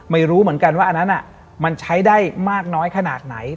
ไม่รู้เหมือนกันว่าอันนั้นมันใช้ได้มากน้อยขนาดไหน